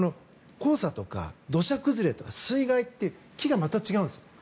黄砂とか土砂災害とか水害って木がまた違うんです。